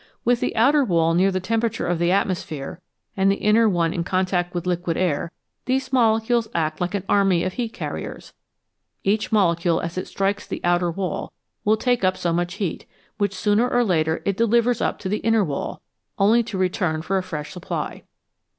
With the outer wall near the temperature of the atmosphere, and y the inner one in con tact with liquid air, these molecules act like an army of heat car riers. Each molecule as it strikes the outer wall will take up so much heat, which sooner or later it de livers up to the inner wall, only to return for a fresh supply.